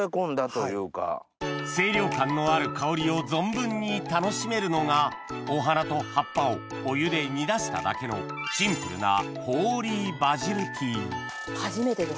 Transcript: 清涼感のある香りを存分に楽しめるのがお花と葉っぱをお湯で煮出しただけのシンプルな初めてです。